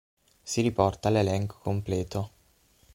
Si riporta l'elenco completo:-